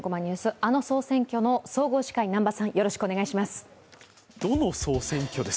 あの総選挙の総合司会南波さん、お願いします！